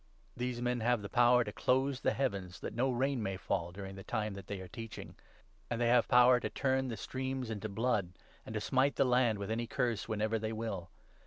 These men have the power to close the 6 heavens, that ' no rain may fall ' during the time that they are teaching ; and they have power ' to turn the streams into blood, and to smite the land with any Curse,' whenever they will.